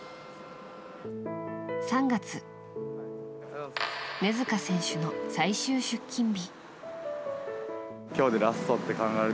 ３月、根塚選手の最終出勤日。